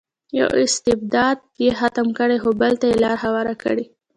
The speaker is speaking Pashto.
یو استبداد یې ختم کړی خو بل ته یې لار هواره کړې.